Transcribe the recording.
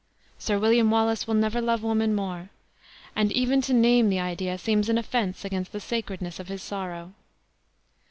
Sir William Wallace will never love woman more; and even to name the idea seems an offense against the sacredness of his sorrow."